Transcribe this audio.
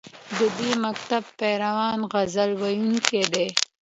د دې مکتب پیروان غزل ویونکي دي